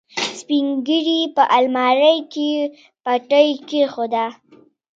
سپينږيري په المارۍ کې پټۍ کېښوده.